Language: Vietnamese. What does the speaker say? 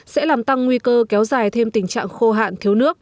sẽ làm tăng nguy cơ kéo dài thêm tình trạng khô hạn thiếu nước